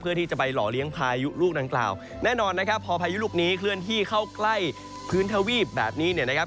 เพื่อที่จะไปหล่อเลี้ยงพายุลูกดังกล่าวแน่นอนนะครับพอพายุลูกนี้เคลื่อนที่เข้าใกล้พื้นทวีปแบบนี้เนี่ยนะครับ